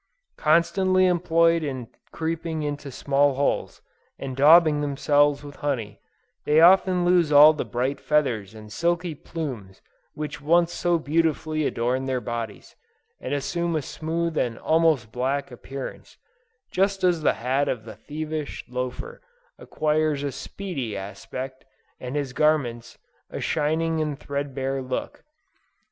Constantly employed in creeping into small holes, and daubing themselves with honey, they often lose all the bright feathers and silky plumes which once so beautifully adorned their bodies, and assume a smooth and almost black appearance; just as the hat of the thievish loafer, acquires a "seedy" aspect, and his garments, a shining and threadbare look.